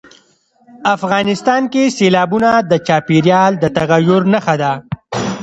افغانستان کې سیلابونه د چاپېریال د تغیر نښه ده.